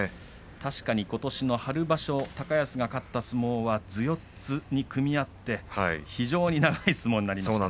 確かに、ことしの春場所高安は勝った相撲は四つに組み合って非常に長い相撲になりました。